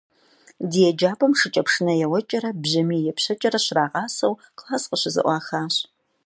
Ди еджапӏэм шыкӏэпшынэ еуэкӏэрэ, бжьэмий епщэкӏэрэ щрагъасэу класс къыщызэӏуахащ.